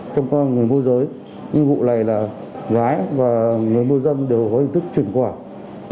trong con người môi giới vụ này là gái và người môi dâm đều có hình thức chuyển khoản